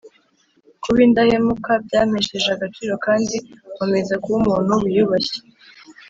kuba indahemuka byampesheje agaciro kandi nkomeza kuba umuntu wiyubashye